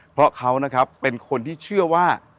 เพราะเขานะครับเป็นคนที่เชื่อว่า